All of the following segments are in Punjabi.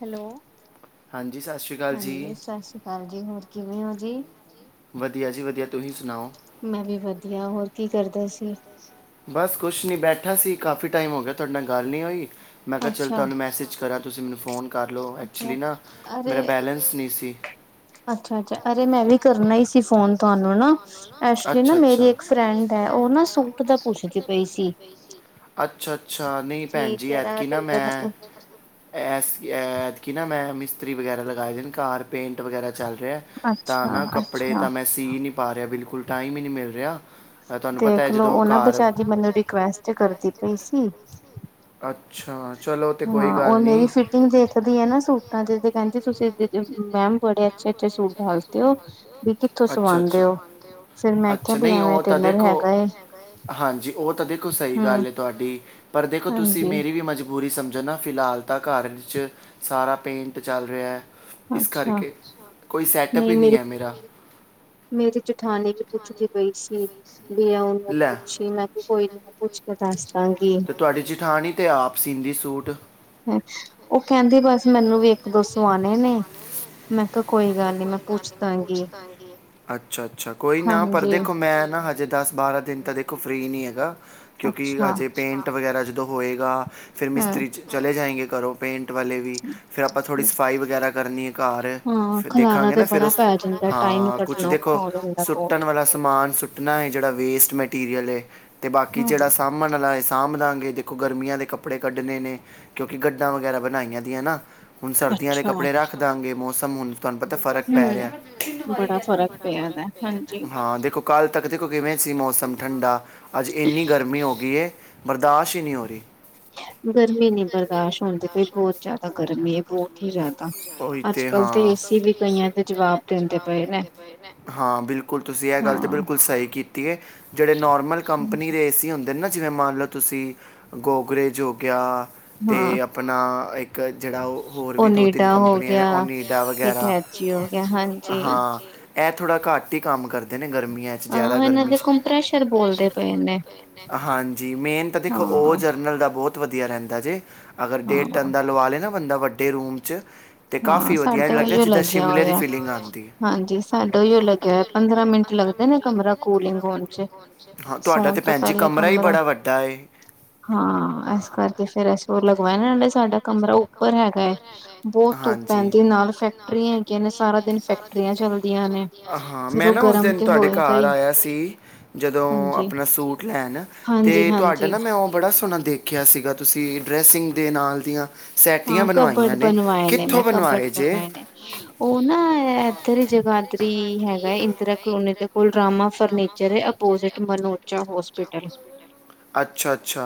ਹੈਲੋ, ਹਾਂਜੀ ਸਾਸੀ ਕਾਲ ਜੀ, ਹੋਰ ਕਿਵੇ ਓ ਜੀ ਵਦੀਆ ਜੀ ਵਦੀਆ, ਤੁਹੀਂ ਸੁਣਾਓ ਮੈ ਵੀ ਵਦੀਆ, ਹੋਰ ਕੀ ਕਰਦੇ ਸੀ। ਬਸ ਕੁਛ ਨਹੀ ਬੈਠਾ ਸੀ ਕਾਫੀ ਟਾਈਮ ਹੋ ਗਿਆ ਤੁਹਾਡੇ ਨਾਲ ਗਲ ਨਹੀ ਹੋਈ ਮੈ ਕਿਹਾ ਚਲ ਤੁਹਾਨੂੰ ਮੈਸੇਜ ਕਰਾਂ। ਤੁਸੀ ਮੈਨੂੰ ਫ਼ੋਨ ਕਰ ਲਵਓ ਐਕਚੁਲੀ ਨਾ ਮੇਰਾ ਬੈਲੇਸ ਨਹੀ ਸੀ। ਅੱਛਾ-ਅੱਛਾ ਅਰੇ ਮੈ ਵੀ ਕਰਨਾ ਹੀ ਸੀ ਫੋਨ ਤੁਹਾਨੂੰ ਨਾ। ਐਕਚੁਲੀ ਨਾ ਮੇਰੀ ਇਕ ਫਰੈਡ ਹੈ ਉਹ ਨਾ ਸੂਟ ਦਾ ਪੁੱਛਦੀ ਪਈ ਸੀ। ਅੱਛਾ-ਅੱਛਾ ਨਹੀ ਭੈਣ ਜੀ ਐਤਕੀ ਨਾ ਮੈ ਐਸ ਕੀ ਐਤਕੀ ਨਾ ਮੈਂ ਮਿਸਤਰੀ ਵਗੈਰਾ ਲਗਾਏ ਦੇ ਨੇ ਘਰ। ਪੇਂਟ ਵਗੈਰਾ ਚਲ ਰਿਹਾ, ਤਾਂ ਨਾ ਕਪੜੇ ਤਾਂ ਮੈ ਸੀ ਨਹੀ ਪਾ ਰਿਹਾ ਬਿਲਕੁਲ ਟਾਈਮ ਹੀ ਨਹੀ ਮਿਲ ਰਿਹਾ। ਤੁਹਾਨੂੰ ਪਤਾ ਜਦੋ ਘਰ ਅੱਛਾ ਚਲੋ ਤਾਂ ਕੋਈ ਗਲ ਨਹੀ। ਸਟਿੰਚਿੰਗ ਦੇਖਦੀ ਆ ਨਾ ਸੂਟਾਂ ਤੇ ਕਹਿਦੇ ਤੁਸੀ ਮੈਮ ਬੜੇ ਅੱਛੇ-ਅੱਛੇ ਸੂਟ ਡਾਲਤੇ ਹੋ ਵੀ ਕਿਥੋ ਸਵਾਦੇ ਹੋ ਫੇਰ ਮੈਂ ਕਿਹਾ ਵੀ ਐਵੇ ਟੇਲਰ ਹੈਗਾ ਏ। ਹਾਂਜੀ ਉਹ ਤਾਂ ਦੇਖੋ ਸਹੀ ਗੱਲ ਤੁਹਾਡੀ, ਪਰ ਦੇਖੋ ਤੁਸੀ ਮੇਰੀ ਵੀ ਮਜ ਬੂਰੀ ਸਮਝੋ ਨਾ ਫਿਲਹਾਲ ਤਾਂ ਘਰ ਵਿਚ ਸਾਰਾ ਪੇਟ ਚਲ ਰਿਹਾ। ਇਸ ਕਰਕੇ, ਕੋਈ ਸੈਟਅਪ ਹੀ ਨਹੀ ਹੈ ਮੇਰਾ। ਮੇਰੀ ਜਠਾਨੀ ਵੀ ਪੁਛਦੀ ਪਈ ਸੀ ਵੀ ਆ ਉਹਨੂੰ ਪੁਛੀ ਮੈ ਕਿਹਾ ਕੋਈ ਨੀ ਤੇ ਤੁਹਾਡੀ ਜਠਾਣੀ ਅਤੇ ਆਪ ਸੀਦੀ ਸੂਟ। ਉਹ ਕਹਿਦੀ ਬਸ ਮੈਨੂੰ ਵੀ ਇਕ ਦੋ ਸਵਾਣੇ ਨੇ, ਮੈ ਕਿਹਾ ਕੋਈ ਗਲ ਨੀ ਮੈ ਪੁੱਛ ਦਾਗੀ ਅੱਛਾ-ਅੱਛਾ ਕੋਈ ਨਾ ਪਰ ਦੇਖੋ ਮੈ ਨਾ ਹਜੇ ਦਸ-ਬਾਰਾਂ ਦਿਨ ਤਾਂ ਦੇਖੋ ਫਰੀ ਨਹੀ ਹੈਗਾ ਕਿਉਕਿ ਹਜੇ ਪੇਟ ਵਗੈਰਾ ਜਦੋ ਹੋਏਗਾ ਫਿਰ ਮਿਸਤਰੀ ਚਲੇ ਜਾਏਗੇ ਘਰੋਂ ਪੇਟ ਵਾਲੇ ਵੀ ਫੇਰ ਆਪਾਂ ਥੋੜੀ ਸਫਾਈ ਵਗੈਰਾ ਕਰਨੀ ਹੈ ਘਰ ਦੇਖਾਗੇ ਨਾ ਫਿਰ ਉਸ ਹਾਂ ਕੁਛ ਦੇਖੋ ਸੁੱਟਣ ਵਾਲਾ ਸਮਾਨ ਸੁੱਟਣਾ ਏ ਜਿਹੜਾ ਵੇਸਟ ਮਟੀਰੀਅਲ ਏ ਤੇ ਬਾਕੀ ਜਿਹੜਾ ਸਭ ਸਾਂਭਣ ਆਲਾ ਏ ਸਾਂਭ ਦਵਾਂਗੇ ਦੇਖੋ ਗਰਮੀਆ ਦੇ ਕੱਪੜੇ ਕੱਢਣੇ ਨੇ। ਕਿਉਕਿ ਗੱਡਾਂ ਵਗੈਰਾ ਬਣਾਈਆ ਦੀਆਂ ਨਾ। ਹੁਣ ਸਰਦੀਆਂ ਦੇ ਕੱਪੜੇ ਰਖ ਦਾਗੇ ਮੋਸਮ ਹੁਣ ਤੁਹਾਨੂੰ ਪਤਾ ਫ਼ਰਕ ਪੈ ਰਿਹਾ। ਤਿਨ ਵਾਰੀ ਤਾਂ ਬੜਾ ਫਰਕ ਪਿਆ ਦਾ। ਦੇਖੋ ਕਲ੍ਹ ਤਕ ਦੇਖੋ ਕਿਵੇ ਸੀ ਮੋਸਮ ਠੰਡਾ, ਅਜ ਇੰਨੀ ਗਰਮੀ ਹੋ ਗਈ ਹੈ। ਬਰਦਾਸ਼ਤ ਹੀ ਨਹੀ ਹੋ ਰਹੀ। ਗਰਮੀ ਨੀ ਬਰਦਾਸ਼ਤ ਹੋਣ ਦੀ ਕੋਈ ਬਹੁਤ ਜ਼ਿਆਦਾ ਗਰਮੀ ਹੈ ਬਹੁਤ ਹੀ ਜ਼ਿਆਦਾ। ਅਜ ਕਲ ਤੇ ਏਸੀ ਵੀ ਕਈਆਂ ਦੇ ਜਵਾਬ ਦਿੰਦੇ ਪਏ ਨੇ। ਹਾਂ ਬਿਲਕੁਲ ਤੁਸੀ ਇਹ ਗਲ ਤੇ ਬਿਲਕੁਲ ਸਹੀ ਕੀਤੀ ਏ ਜਿਹੜੇ ਨੋਰਮਲ ਕੰਪਨੀ ਦੇ ਏਸੀ ਹੁੰਦੇ ਨੇ ਨਾ ਜਿਵੇਂ ਮੰਨ ਲਓ ਤੁਸੀ ਜਿਵੇਂ ਗੋਦਰੇਜ ਹੋ ਗਿਆ ਤੇ ਅਪਨਾ ਆਪਣਾ ਇੱਕ ਜੇੜਾ ਓ ਹੋਰ ਵੀ ਦੋ ਤਿੰਨ ਕੰਪਨੀਆਂ ਨੇ ਓਨਿਡਾ ਵਗੈਰਾ। ਜੀ ਹੋ ਗਿਆ ਹਾਂ ਹਾਂ ਐ ਥੋੜ੍ਹਾ ਘੱਟ ਈ ਕੰਮ ਕਰਦੇ ਨੇ ਗਰਮੀਆਂ ਅ ਏਨਾਂ ਦੇ ਕੰਮਪ੍ਰੈਸ਼ਰ ਬੋਲਦੇ ਪਏ ਨੇ। ਹਾਂਜੀ ਮੇਨ ਤਾਂ ਦੇਖੋ ਓ ਜਰਨਲ ਦਾ ਬਹੁਤ ਵਧੀਆ ਰਹਿੰਦਾ ਜੇ। ਅਗਰ ਡੇਢ ਟਨ ਦਾ ਲਵਾ ਲੇ ਨਾ ਬੰਦਾ ਵੱਡੇ ਰੂਮ ਚ ਤੇ ਕਾਫੀ ਵਧੀਆ ਐ ਲੱਗਦਾ ਜਿੱਦਾਂ ਸ਼ਿਮਲੇ ਦੀ ਫੀਲਿੰਗ ਆਂਦੀ। ਹਾਂਜੀ ਸਾਡਾ ਓਈਓ ਲੱਗਿਆ ਹੋਇਆ ਪੰਦਰਾਂ ਮਿੰਟ ਲੱਗਦੇ ਨੇ ਕਮਰਾ ਕੂਲਿੰਗ ਹੋਣ ਚ। ਹਾਂ ਤੁਹਾਡਾ ਤੇ ਭੈਣ ਜੀ ਕਮਰਾ ਈ ਬੜਾ ਵੱਡਾ ਏ। ਹਾਂ ਏਸ ਕਰਕੇ ਫੇਰ ਅਸੀ ਉਹ ਲਗਵਾਏ ਨਾ ਸਾਡਾ ਕਮਰਾ ਉੱਪਰ ਹੈਗਾ ਏ ਬੋ ਧੁੱਪ ਪੈਂਦੀ ਨਾਲ ਫੈਕਟਰੀਆਂ ਹੈਗੀਆਂ ਨੇ ਸਾਰਾ ਹਾਂ ਮੈਂ ਨਾ ਉਸ ਦਿਨ ਤੁਹਾਡੇ ਘਰ ਆਇਆ ਸੀ। ਜਦੋਂ ਆਪਣਾ ਸੂਟ ਲੈਣ ਤੇ ਤੁਹਾਡਾ ਨਾ ਮੈਂ ਓ ਬੜਾ ਸੋਹਣਾ ਦੇ ਖਿਆ ਸੀਗਾ ਤੁਸੀਂ ਡਰੈਸਿੰਗ ਦੇ ਨਾਲ ਦੀਆਂ ਸੈਟੀਆਂ ਬਣਵਾਈਆਂ ਨੇ ਕਿੱਥੋਂ ਬਣਵਾਏ ਜੇ? ਉਹ ਨਾ ਐ ਐਧਰ ਈ ਜਗਾਦਰੀ ਹੈਗਾ ਇੰਦਰਾ ਕਲੋਨੀ ਦੇ ਕੋਲ ਰਾਮਾ ਫਰਨੀਚਰ ਏ ਅਪੋਜਿਟ ਮਨੋ ਚ ਹੋਸਪਿਟਲ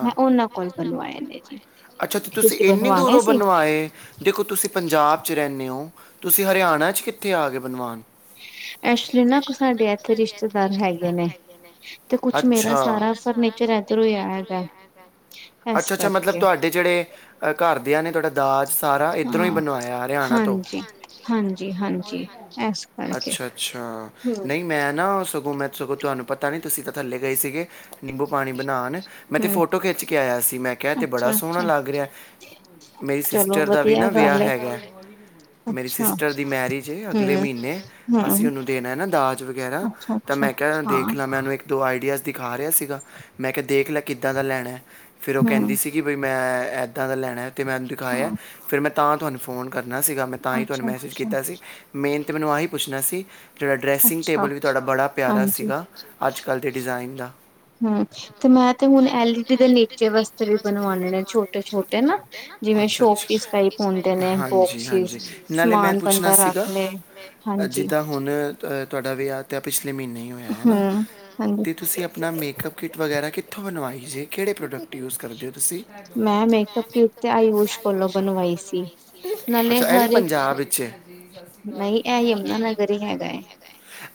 ਮੈਂ ਓਨਾਂ ਕੋਲ ਬਨਵਾਏ ਨੇ ਜੀ। ਅੱਛਾ ਤੇ ਤੁਸੀਂ ਇੰਨੀ ਦੂਰੋਂ ਬ ਬਣਵਾਏ ਦੇਖੋ ਤੁਸੀਂ ਪੰਜਾਬ ਚ ਰਹਿੰਦੇ ਓ ਤੁਸੀਂ ਹਰਿਆਣਾ ਚ ਕਿੱਥੇ ਆ ਗਏ ਬਣਵਾਨ। [unintelligible] [unintelligible] ਐਕਚੁਲੀ ਨਾ ਸਾਡੇ ਏਥੇ ਰਿਸ਼ਤੇਦਾਰ ਹੈਗੇ ਨੇ ਤੇ ਕੁੱਛ ਮੇਰਾ ਸਾਰਾ ਫਰਨੀਚਰ ਐ ਨੀ ਐਦਰੋ ਈ ਆਇਆ ਵਿਆ। ਐਸ ਕਰਕੇ। ਤੇ ਜੇੜ੍ਹੇ ਘਰਦਿਆਂ ਨੇ ਤੁਹਾਡਾ ਦਾਜ ਸਾਰਾ ਏਧਰੋਂ ਈ ਬਣਵਾਇਆ ਹਰਿਆਣਾ ਤੋਂ। ਹਾਂਜੀ- ਹਾਂਜੀ ਅੱਛਾ-ਅੱਛਾ ਨਈ ਮੈਂ ਨਾ ਸਗੋਂ ਮੈਂ ਸਗੋਂ ਤੁਹਾਨੂੰ ਪਤਾ ਨੀ ਤੁਸੀਂ ਤਾਂ ਥੱਲੇ ਗਏ ਸੀਗੇ ਨਿੰਬੂ ਪਾਣੀ ਬਣਾਣ ਮੈਂ ਤੇ ਫੋਟੋ ਖਿੱਚ ਕੇ ਆਇਆ ਸੀ ਮੈਂ ਕਿਹਾ ਏਤੇ ਬੜਾ ਸੋਣਾ ਲੱਗ ਰਿਹਾ। ਮੇਰੀ ਸਿਸਟਰ ਦਾ ਵੀ ਨਾ ਵਿਆਹ ਹੈਗਾ ਮੇਰੀ ਸਿਸਟਰ ਦੀ ਮੈਰਿਜ ਅਗਲੇ ਮਹੀਨੇ ਅਸੀਂ ਉਨੂੰ ਦੇਣਾ ਨਾ ਦਾਜ ਵਗੈਰਾ ਤਾਂ ਮੈਂ ਕਿਆ ਦੇਖ ਲਾ ਮੈਂ ਇੱਕ ਦੋ ਆਈਡੀਆਜ਼ ਦਿਖਾ ਰਿਹਾ ਸੀਗਾ ਮੈਂ ਕਿਆ ਦੇਖ ਲੈ ਕਿੱਦਾਂ ਦਾ ਲੈਣਾ ਫਿਰ ਓ ਕਹਿੰਦੀ ਸੀ ਕੀ ਬਈ ਮੈਂ ਏਦਾ ਦਾ ਲੈਣਾ ਤੇ ਮੈਂ ਉਨੂੰ ਦਿਖਾਇਆ ਫਿਰ ਮੈਂ ਤਾਂ ਤੁਹਾਨੂੰ ਫੋਨ ਕਰਨਾ ਸੀਗਾ ਮੈਂ ਤਾਂਹੀ ਤੁਹਾਨੂੰ ਮੈਸੇਜ ਕੀਤਾ ਸੀ ਮੇਨ ਤਾਂ ਮੈਨੂੰ ਆਹੀ ਪੁੱਛਣਾ ਸੀ ਜਿਹੜਾ ਡਰੈਸਿੰਗ ਟੇਬਲ ਵੀ ਤੁਹਾਡਾ ਬੜਾ ਪਿਆਰਾ ਸੀਗਾ ਅੱਜ ਕੱਲ੍ਹ ਦੇ ਡਿਜ਼ਾਇਨ ਦਾ। ਹੂੰ ਤੇ ਮੈਂ ਤੇ ਹੁਣ ਐਲ ਈ ਡੀ ਦੇ ਨੀਚੇ ਵਾਸਤੇ ਵੀ ਬਣਵਾਣੇ ਨੇ ਛੋਟੇ-ਛੋਟੇ ਨਾ। ਜਿਵੇਂ ਸ਼ੋਪੀਸ ਟਾਈਪ ਹੁੰਦੇ ਨੇ ਬੋਕਸਿਸ ਸਮਾਨ ਬੰਦਾ ਰੱਖ ਜਿੱਦਾਂ ਹੁਣ ਅਹ ਤੁਹਾਡਾ ਵਿਆਹ ਤਾਂ ਪਿਛਲੇ ਮਹੀਨੇ ਹੀ ਹੋਇਆ। ਹੈ ਨਾ, ਤੇ ਤੁਸੀਂ ਆਪਣਾ ਮੇਕਅਪ ਕਿੱਟ ਵਗੈਰਾ ਕਿੱਥੋਂ ਬਣਵਾਈ ਜੇ ਕਿਹੜੇ ਪ੍ਰੋਡਕਟ? ਯੂਜ ਕਰਦੇ ਓ ਤੁਸੀਂ, ਮੈਂ ਮੇਕਪ ਕਿਟ ਆਯੂਸ਼ ਕੋਲੋਂ ਬਣਵਾਈ। ਅੱਛਾ ਐ ਵੀ ਪੰਜਾਬ ਵਿੱਚ ਏ।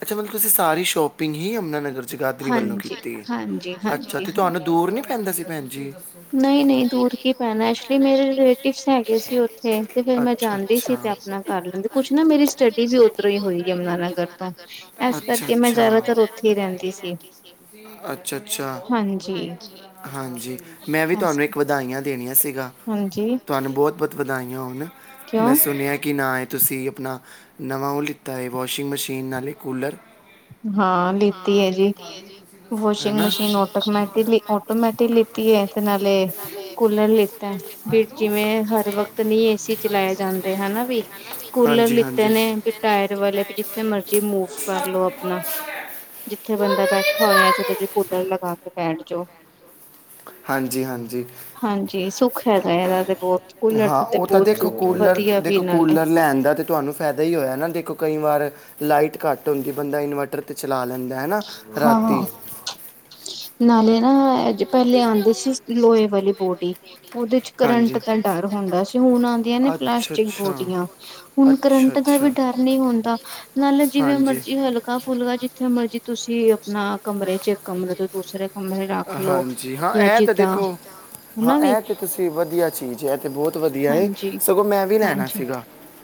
ਅੱਛਾ ਮਤਲਬ ਤੁਸੀਂ ਸਾਰੀ ਸ਼ੋਪ ਪਿੰਗ ਹੀ ਯਮੁਨਾਨਗਰ ਚ ਜਗਾਧਰੀ ਵੱਲੋਂ ਕੀਤੀ ਅੱਛਾ ਤੇ ਤੁਹਾਨੂੰ ਦੂਰ ਨੀ ਪੈਂਦਾ ਸੀ ਭੈਣ ਜੀ? ਨਹੀਂ-ਨਹੀਂ ਦੂਰ ਕੀ ਪੈਣਾ ਐਕਚੁਲੀ ਮੇਰੇ ਰਿਲਾਟਿਵਜ਼ ਹੈਗੇ ਸੀ, ਓਥੇ ਅੱਛਾ-ਅੱਛਾ ਆਪਣਾ ਕੁੱਛ ਨਾ ਮੇਰੀ ਸਟੱਡੀ ਵੀ ਓਦਰੋ ਹੀ ਹੋਈ ਆ ਯਮੁਨਾਨਗਰ ਅੱਛਾ-ਅੱਛਾ ਅੱਛਾ, ਅੱਛਾ, ਹਾਂਜੀ। ਹਾਂਜੀ, ਮੈਂ ਵੀ ਤੁਹਾਨੂੰ ਇੱਕ ਵਧਾਈਆਂ ਦੇਣੀਆਂ ਸੀਗਾ। ਹਾਂਜੀ। ਤੁਹਾਨੂੰ ਬਹੁਤ, ਬਹੁਤ ਵਧਾਈਆਂ ਹੋਣ। ਮੈਂ ਸੁਣਿਆ ਕਿ ਨਾ- ਤੁਸੀਂ ਆਪਣਾ ਨਵਾਂ ਉਹ ਲਿੱਤਾ ਹੈ, ਵਾਸ਼ਿੰਗ ਮਸ਼ੀਨ ਨਾਲੇ ਕੂਲਰ। ਹਾਂ, ਠੀਕ ਆ ਜੀ। ਹਨਾ ਵਾਸ਼ਿੰਗ ਮਸ਼ੀਨ - ਆਟੋਮੈਟਿਕ ਲਿੱਤੀ ਹੈ ਤੇ ਨਾਲੇ ਕੂਲਰ ਲਿੱਤਾ ਵੀ, ਜਿਵੇਂ ਹਰ ਵਕਤ- ਨਹੀਂ ਏਸੀ ਚਲਾਏ ਜਾਂਦੇ, ਹਨਾ ਵੀ। ਕੂਲਰ ਲਿੱਤੇ ਨੇ ਵੀ ਟਾਇਰ ਵਾਲੇ ਵੀ। ਜਿੱਥੇ ਮਰਜੀ ਮੂਵ ਕਰ ਲੋ। ਆਪਣਾ ਜਿੱਥੇ ਬੰਦਾ ਬੈਠਾ ਹੋਇਆ, ਚਲੋ ਜੇ ਕੂਲਰ ਲਗਾ ਕੇ ਬੈਠ ਜਾਓ। ਹਾਂਜੀ, ਹਾਂਜੀ ਹਾਂਜੀ ਸੁੱਖ ਹੈਗਾ ਏਦਾ ਤੇ ਬਹੁਤ ਕੂਲਰ ਤੇ ਬਹੁਤ ਸੁੱਖ ਵਧੀਆ ਵੀ ਐ ਨਾਲੇ। ਲੈਣਦਾ ਤੇ ਤੁਹਾਨੂੰ ਫਾਇਦਾ ਈ ਹੋਇਆ ਨਾ ਦੇਖੋ ਕਈ ਵਾਰ ਲਾਈਟ ਘੱਟ ਹੁੰਦੀ ਬੰਦਾ ਇਨਵਰਟਰ ਤੇ ਚਲਾ ਲੈਂਦਾ ਹੈਨਾ। ਹਾਂ-ਹਾਂ ਨਾਲੇ ਨਾ ਏਦੇ ਚ ਪਹਿਲੇ ਆਉਂਦੀ ਸੀ ਲੋਹੇ ਵਾਲੀ ਬੋਡੀ। ਉਹਦੇ ਚ ਕਰੰਟ ਦਾ ਡਰ ਹੁੰਦਾ ਸੀ ਹੁਣ ਆਉਂਦੀਆਂ ਨੇ ਪਲਾਸਟਿਕ ਬੋਡੀਆਂ- ਹੁਣ ਕਰੰਟ ਦਾ ਵੀ ਡਰ ਨਹੀਂ ਹੁੰਦਾ ਨਾਲੇ ਜਿਵੇਂ ਮਰਜ਼ੀ ਹਲ- ਪੱਕਾ ਫੁੱਲਕਾ ਜਿੱਥੇ ਮਰਜ਼ੀ ਤੁਸੀਂ ਆਪਣਾ ਕਮਰੇ ਚ- ਕਮਰੇ ਤੋਂ ਦੂਸਰੇ ਕਮਰੇ ਰੱਖ ਲਓ ਜਾਂ ਜਿੱਦਾ ਹਾਂ ਇਹ ਤੇ ਤੁਸੀਂ ਵਧੀਆ ਚੀਜ਼ ਹੈ ਇਹ ਤੇ ਬਹੁਤ ਵਧੀਆ ਹੈ, ਸਗੋਂ ਮੈਂ ਵੀ ਲੈਣਾ ਸੀਗਾ।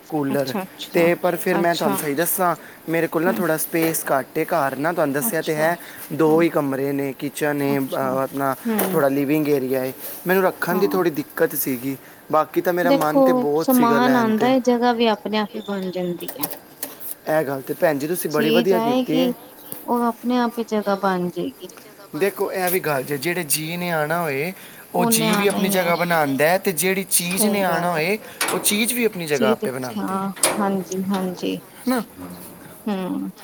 ਕੂਲਰ ਅਤੇ ਪਰ ਫਿਰ ਮੈਂ ਤੁਹਾਨੂੰ ਸਹੀ ਦੱਸਾਂ, ਮੇਰੇ ਕੋਲ ਨਾ ਥੋੜ੍ਹਾ ਸਪੇਸ ਘੱਟ ਐ, ਘਰ ਨਾ ਤੁਹਾਨੂੰ ਦੱਸਿਆ ਤਾਂ ਹੈ ਦੋ- ਕਮਰੇ ਨੇ ਕਿਚਨ ਏ ਆਪਣਾ ਥੋੜਾ ਲਿਵਿੰਗ ਏਰੀਆ ਐ, ਮੈਨੂੰ- ਰੱਖਣ ਦੀ ਥੋੜ੍ਹੀ ਦਿੱਕਤ ਸੀਗੀ ਬਾਕੀ ਤਾਂ ਮੇਰਾ ਮਨ ਤਾਂ ਬਹੁਤ ਸੀਗਾ ਲੈਣ 'ਤੇ। ਜਗ੍ਹਾ ਵੀ ਆਪਣੇ ਆਪ ਹੀ ਬਣ ਜਾਂਦੀ ਐ। ਇਹ ਗੱਲ ਤਾਂ ਭੈਣ ਜੀ ਤੁਸੀਂ ਬੜੀ ਵਧੀਆ ਕੀਤੀ ਐ। ਉਦੋ ਆਪਣੇ-ਆਪ ਹੀ ਜਗ੍ਹਾ ਬਣ ਜਾਏਗੀ। ਦੇਖੋ ਇਹ ਵੀ ਗੱਲ ਜੇ ਜਿਹੜੇ ਜੀਅ ਨੇ ਆਉਣਾ ਹੋਏ, ਉਹ ਜੀਅ ਵੀ ਆਪਣੀ ਜਗ੍ਹ ਬਣਾਉਂਦਾ ਅਤੇ ਜਿਹੜੀ ਚੀਜ਼ ਨਹੀਂ ਆਉਣਾ ਹੋਵੇ, ਉਹ ਚੀਜ਼ ਵੀ ਆਪਣੀ ਜਗ੍ਹਾ- ਬਣਾ ਦੀ।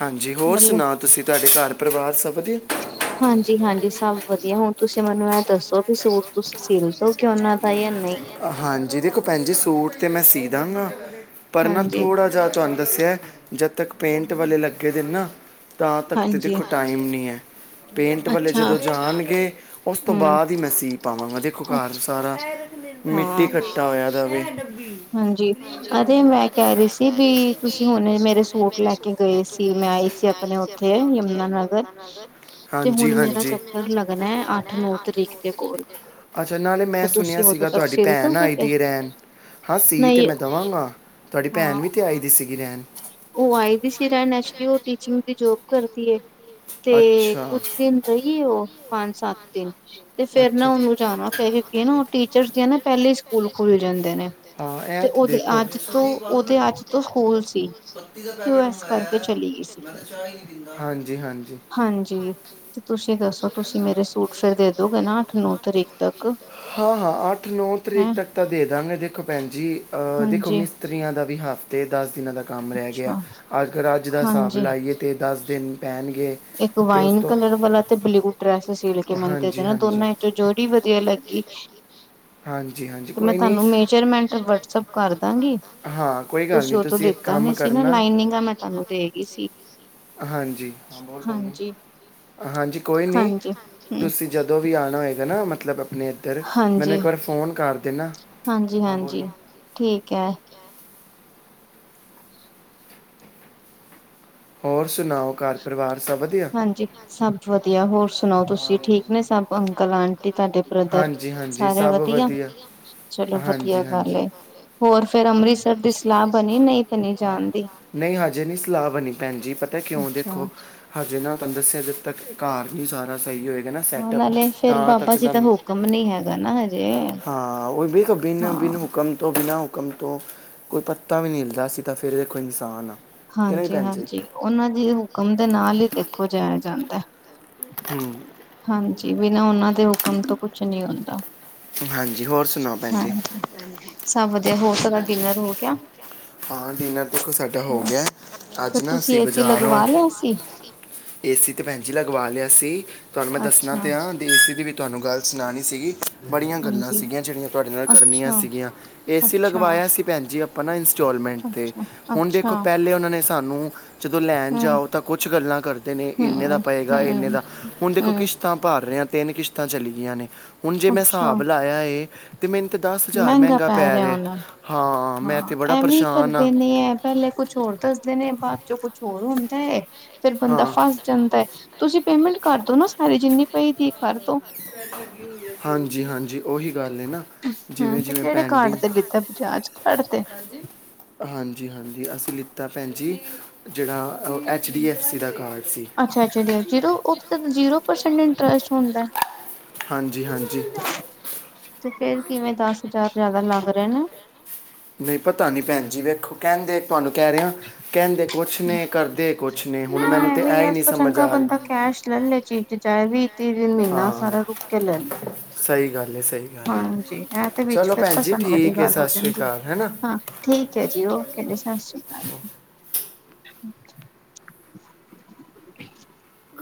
ਹਾਂਜੀ, ਹੋਰ ਸੁਣਾਉ। ਤੁਸੀਂ, ਤੁਹਾਡੇ ਘਰ ਪਰਿਵਾਰ ਸਭ ਵਧੀਆ। ਹਾਂਜੀ, ਹਾਂਜੀ ਸਭ ਵਧੀਆ। ਹੁਣ ਤੁਸੀਂ- ਮੈਨੂੰ ਇਹ ਦੱਸੋ ਵੀ ਸੂਟ ਤੁਸੀਂ ਸਿਲਦੋਗੇ, ਉਹਨਾਂ ਦਾ ਜਾਂ ਨਹੀਂ। ਹਾਂਜੀ ਦੇਖੋ ਭੈਣ ਜੀ, ਸੂਟ ਤਾਂ ਮੈਂ ਸੀਅ ਦਾਂਗਾ ਪਰ ਨਾ ਥੋੜ੍ਹਾ ਜਿਹਾ- ਤੁਹਾਨੂੰ ਦੱਸਿਆ ਜਦ ਤੱਕ ਪੇਂਟ ਵਾਲੇ ਲੱਗੇ ਦੇ ਨਾ, ਤਾਂ ਤੱਕ ਤੇ ਦੇਖੋ ਟਾਈਮ - [unintelligible] ਐ। ਪੇਂਟ ਵਾਲੇ ਜਦੋਂ ਜਾਣਗੇ, ਉਸ ਤੋਂ ਬਾਅਦ ਹੀ ਮੈਂ ਸੀ ਪਾਵਾਂਗਾ ਦੇਖੋ ਘਰ ਸਾਰਾ- ਮਿੱਟੀ ਘੱਟਾ ਹੋਇਆ ਦਾ ਵੇ। ਹਾਂਜੀ, ਅਰੇ ਮੈਂ ਕਹਿ ਰਹੀ ਸੀ ਵੀ ਤੁਸੀਂ ਹੁਣ ਮੇਰੇ ਸੂਟ ਲੈ ਕੇ- ਲੈ ਕੇ ਗਏ ਸੀ ਮੈਂ ਆਈ ਸੀ ਆਪਣੇ ਉਥੇ ਯਮੁਾਨਗਰ ਹਾਂਜੀ, ਹਾਂਜੀ। ਤੇ ਹੁਣ ਮੇਰਾ ਚੱਕਰ ਲੱਗਣਾ - ਮੈਂ ਅੱਠ, ਨੋ ਤਾਰੀਕ ਤੇ, ਅੱਛਾ ਨਾਲੇ ਮੈਂ ਸੁਣਿਆ ਸੀਗਾ ਤੁਹਾਡੀ- ਭੈਣ ਆਈ ਦੀ ਹੈ ਰਹਿਣ। ਹਾਂ ਸੀਅ ਤਾਂ ਮੈਂ ਦੇਵਾਂਗਾ, ਤੁਹਾਡੀ ਭੈਣ ਵੀ ਤਾਂ ਆਈ ਦੀ ਸੀਗੀ ਰਹਿਣ। ਉਹ ਆਈ ਦੀ ਸੀ ਰਹਿਣ, ਐਚਲੀ ਉਹ ਟੀਚਿੰਗ ਦੀ ਜੋਬ ਕਰਦੀ- ਤੇ ਕੁਛ ਦਿਨ ਰਹੀ ਏ ਉਹ ਪੰਜ, ਸੱਤ ਦਿਨ। ਤੇ ਫੇਰ ਨਾ ਉਹਨੂੰ ਜਾਣਾ ਪੈ ਗਿਆ, ਫਿਰ ਕੀ ਨਾ ਉਹ ਟੀਚਰਸ ਦੀਆਂ ਨਾ ਪਹਿਲੇ ਹੀ ਸਕੂਲ ਖੁੱਲ ਜਾਂਦੇ ਨੇ। ਤੇ ਉਹਦੇ ਅੱਜ ਤੋਂ ਓਹਦੇ ਅੱਜ ਤੋਂ ਸਕੂਲ ਸੀ। ਪੱਤੀ ਦਾ ਪੈਕਟ ਮੰਗਾਇਆ ਮੈਂ ਤੇ ਚਾਹ ਹੀ ਨਹੀਂ ਪੀਂਦਾ। ਹਾਂਜੀ, ਹਾਂਜੀ। ਤੁਸੀਂ ਦੱਸੋ ਤੁਸੀਂ ਮੇਰੇ ਸੂਟ- ਫਿਰ ਦੇ ਦੋਗੇ [unintelligible] ਨੌ ਤਰੀਕ ਤਕ ਹਾਂ ਹਾਂ ਅੱਠ ਨੌ ਤਰੀਕ ਤੱਕ ਤਾਂ ਦੇ ਜਾਂਗੇ ਦੇਖੋ ਭੈਣ ਜੀ ਅਹ ਦੇਖੋ ਮ ਤਰੀਆਂ ਦਾ ਵੀ ਹਫ਼ਤੇ ਦਸ ਦਿਨਾਂ ਦਾ ਕੰਮ ਰਹਿ ਗਿਆ ਅੱਜ ਕੱਲ੍ਹ ਅੱਜ ਦਾ ਹਿਸਾਬ ਲਾਈਏ ਅਤੇ ਦਸ ਦਿਨ ਪੈਣਗੇ ਇੱਕ ਵਾਈਨ ਕਲਰ ਵਾਲਾ ਤੇ ਬਲਊ ਡਰੈਸ ਸਿਲ ਕੇ ਮੈਨੂੰ ਦੇ ਦੇਣਾ [unintelligible] ਵਧੀਆ ਲੱਗੀ ਹਾਂਜੀ-ਹਾਂਜੀ। ਤੇ ਮੈਂ ਤੁਹਾਨੂੰ, ਮੇਜਰਮੈਂਟ ਵਟਸਪ ਕਰਦਾਂਗੀ ਤੁਸੀਂ ਉਹ ਤੋਂ ਲਿੱਤਾ ਨੀ ਸੀ ਨਾ, ਲਾਈਨਿੰਗਾ ਮੈਂ ਤੁਹਾਨੂੰ ਦੇ ਗਈ ਸੀ। ਹਾਂਜੀ ਬਲ ਹਾਂਜੀ ਕੋਈ ਨਹੀਂ ਤੁਸੀਂ ਜਦੋਂ ਵੀ ਆਉਣਾ ਹੋਏਗਾ ਨਾ ਮਤਲਬ ਆਪਣੇ ਇੱਧਰ ਮੈਨੂੰ ਇੱਕ ਵਾਰ ਫੋਨ ਕਰ ਦੇ ਨਾ ਹਾਂਜੀ, ਹਾਂਜੀ ਠੀਕ ਹੈ। [inaudible] ਹੋਰ ਸੁਣਾਓ ਘਰ ਪਰਿਵਾਰ ਸਭ ਵਧੀਆ। ਹਾਂਜੀ, ਸਭ ਵਧੀਆ ਹੋਰ ਸੁਣਾਓ ਤੁਸੀਂ ਠੀਕ ਨੇ ਸਭ ਅੰਕਲ-ਆਂਟੀ। ਤੁਹਾਡੇ ਬ੍ਰਦਰ ਸਾਰੇ ਵਧੀਆ, ਚਲੋ ਵਧੀਆ ਗੱਲ ਐ। ਹੋਰ ਫੇਿਰ ਅੰਮ੍ਰਿਤਸਰ ਦੀ ਸਲਾਹ ਬਣੀ ਨਹੀਂ ਬਣੀ ਜਾਣ ਦੀ ਕਿਉਂ ਦੇਖੋ ਹਜੇ ਨਾਲ ਤੁਹਾਨੂੰ ਦੱਸਿਆ ਜਦ ਤੱਕ ਕਾਰ ਨਹੀਂ ਸਾਰਾ ਸਹੀ ਹੋਏਗਾ ਸੈਟਅਪ ਤਾਂ ਤੱਕ ਤਾਂ ਹਾਂ, ਉਹ ਵੀ ਬਿਨ-ਬਿਨ ਹੁਕਮ ਤੋਂ ਬਿਨਾਂ, ਹੁਕਮ ਤੋਂ, ਕੋਈ ਪੱਤਾ ਵੀ ਨੀ ਹਿੱਲਦਾ, ਅਸੀ ਤਾਂ ਫਿਰ ਦੇਖੋ ਇਨਸਾਨ ਆ। ਹਾਂਜੀ-ਹਾਂਜੀ, ਉਹਨਾਂ ਦੇ ਹੁਕਮ ਦੇ ਨਾਲ ਹੀ ਦੇਖੋ, ਜਾਇਆ ਜਾਂਦਾ। ਹੂੰ ਹਾਂਜੀ, ਬਿਨਾਂ ਉਹਨਾਂ ਦੇ ਹੁਕਮ ਤੋਂ, ਕੁਛ ਨਹੀਂ ਹੁੰਦਾ। ਹਾਂਜੀ, ਹੋਰ ਸੁਣਾਓ, ਭੈਣ ਜੀ? ਸਭ ਵਧੀਆ। ਹੋਰ, ਤੁਹਾਡਾ ਡਿਨਰ ਹੋ ਗਿਆ? ਹਾਂ ਡਿਨਰ ਦੇਖੋ ਸਾਡਾ ਹੋ ਗਿਆ, ਅੱਜ ਨਾ ਅਸੀਂ ਬਜ਼ਾਰੋਂ ਸੀ ਏਸੀ ਤਾਂ ਭੈਣਜੀ ਲਗਵਾ ਲਿਆ ਸੀ। ਤੁਹਾਨੂੰ ਮੈਂ ਦੱਸਣਾ ਤਾਂ ਆ, ਅਤੇ ਏਸੀ ਦੀ ਵੀ ਤੁਹਾਨੂੰ ਗੱਲ ਸੁਣਾਉਣੀ ਸੀਗੀ। ਬੜੀਆਂ ਗੱਲਾਂ ਸੀਗੀਆਂ, ਜਿਹੜੀਆਂ ਤੁਹਾਡੇ ਨਾਲ ਕਰਨੀਆਂ ਸੀਗੀਆਂ। ਏਸੀ ਲਗਵਾਇਆ ਸੀ ਭੈਣ ਜੀ ਪਾ ਨਾ, ਇੰਸਟੋਲਮੇਂਟ ਤੇ। ਹੁਣ ਦੇਖੋ ਪਹਿਲੇ ਉਹਨਾਂ ਨੇ ਸਾਨੂੰ, ਜਦੋਂ ਲੈਣ ਜਾਓ ਤਾਂ ਕੁਛ ਗੱਲਾਂ ਕਰ ਇਹਨੇ ਦਾ ਪਏਗਾ, ਇਹਨੇ ਦਾ। ਹੁਣ ਦੇਖੋ, ਕਿਸ਼ ਤਾਂ ਭਰ ਰਿਹਾ, ਤਿੰਨ ਕਿਸ਼ਤਾਂ ਚਲੀ ਗਈਆਂ ਨੇ, ਹੁਣ ਜੇ, ਮੈਂ ਹਿਸਾਬ ਲਾਇਆ ਏ ਅਤੇ ਮੈਨੂੰ ਤਾਂ ਦਸ ਹਜ਼ਾਰ ਮਹਿੰਗਾ ਪੈ ਰਿਹਾ, ਹਾਂ! ਮੈਂ ਤਾਂ ਬੜਾ ਪਰੇਸ਼ਾਨ ਹਾਂ। ਪਹਿਲੇ ਕੁਛ ਹੋਰ ਦੱਸਦੇ ਨੇ, ਬਾਅਦ'ਚੋਂ ਕੁਛ ਹੋਰ ਹੁੰਦਾ ਹੈ, ਫਿਰ ਬੰਦਾ ਫਸ ਜਾਂਦਾ ਏ, ਤੁਸੀਂ ਪੇਮੈਂਟ ਕਰਦੋ ਨਾ ਸਾਰੀ ਜਿੰਨੀ ਪਏਦੀ ਕਰਦੋ। ਹਾਂਜੀ-ਹਾਂਜੀ, ਉਹੀ ਗੱਲ ਏ ਨਾ। ਹੂੰ, ਤੇ ਕਿਹੜੇ ਕਾਰਡ ਤੇ ਲਿੱਤਾ? ਬਜਾਜ ਕਾਰਡ ਤੇ। ਹਾਂਜੀ। ਹਾਂਜੀ-ਹਾਂਜੀ, ਅਸੀਂ ਲਿੱਤਾ ਭੈਣ ਜੀ, ਜਿਹੜਾ ਅ ਐੱਚ ਡੀ ਐੱਫ ਸੀ ਦਾ ਕਾਰਡ ਸੀ। ਅੱਛ, ਅੱਛਾ ਝੀਰੋ, ਉਤ‌‌ ਜ਼ੀਰੋ ਪਰਸੈਂਟ ਇੰਟਰਸਟ ਹੁੰਦਾ। ਹਾਂਜੀ-ਹਾਂਜੀ। ਤੇ ਫੇਰ ਕਿਵੇਂ, ਦਸ-ਹਜ਼ਾਰ ਜਿਆਦਾ ਲੱਗ ਰਹੇ ਨੇ। ਨਹੀਂ ਪਤਾ ਨਹੀਂ ਭੈਣ ਜੀ, ਵੇਖੋ ਕਹਿੰਦੇ ਤੁਹਾਨੂੰ ਕਹਿ ਰਿਹਾ, ਕਹਿੰਦੇ ਕੁਛ ਨੇ, ਕਰਦੇ ਕੁਛ ਨੇ‌। ਹੁਣ ਮੈਨੂੰ ਤੇ ਐਹੀ, ਨੀ ਸਮਝ ਆ ਰਹੀ। ਕੈਸ਼ ਲੈਲੇ ਚੀਜ਼ ਚਾਏ ਵੀਹ-ਤੀਹ ਦਿਨ ਮਹੀਨਾ ਸਾਰਾ ਰੁਕਕੇ ਲ੍ਹੈਲੇ। ਸਹੀ ਗੱਲ ਏ, ਸਹੀ ਹਾਂਜੀ, ਐ, ਤੇ ਵਿੱਚ ਫਿਰ ਫਸਣ ਵਾਲੀ ਗੱਲ ਹੋ ਜਾਂਦੀ। ਹਾਂ ਠੀਕ ਏ ਜੀ, ਓਕੇ ਜੀ। ਸਤਿ ਸ਼੍ਰੀ ਅਕਾਲ ਜੀ।